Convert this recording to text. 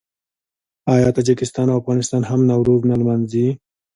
آیا تاجکستان او افغانستان هم نوروز نه لمانځي؟